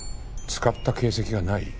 使った形跡がない？